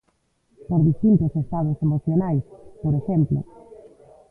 Por distintos estados emocionais, por exemplo.